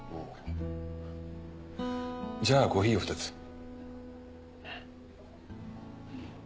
じゃあコーヒーを２つ。